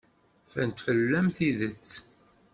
Ffrent fell-am tidet.